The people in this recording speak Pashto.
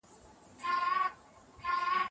په افغانستان کې کلتور د خلکو ترمنځ یووالی راولي.